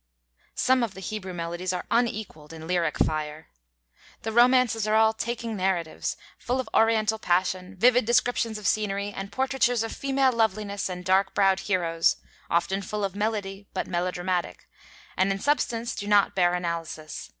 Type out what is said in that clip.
Some of the 'Hebrew Melodies' are unequaled in lyric fire. The romances are all taking narratives, full of Oriental passion, vivid descriptions of scenery, and portraitures of female loveliness and dark browed heroes, often full of melody, but melodramatic; and in substance do not bear analysis.